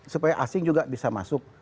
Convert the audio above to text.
supaya asing juga bisa masuk